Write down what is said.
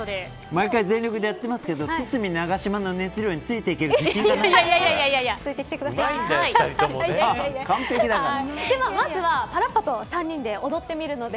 毎回、全力でやってますけど堤、永島の熱量についていける自信がないですから。